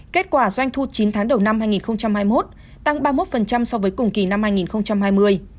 kết quả doanh thu chín tháng đầu năm hai nghìn hai mươi một tăng ba mươi một so với cùng kỳ năm hai nghìn hai mươi